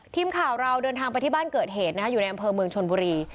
ทีมข่าวเราเดินทางไปที่บ้านเกิดเหตุอยู่ในอำเภอเมืองชนบุรี